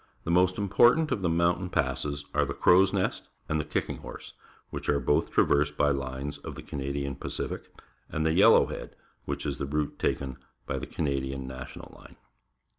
The most important of the mountain passes are the Croivsnest and the Kicking i/orse^which are both traversed by lines of theCanadian Pacific. and the YeUoichcad, whi ch is the route taken by the Canadian Nati onal line.